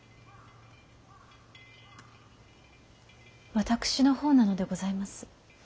私の方なのでございます。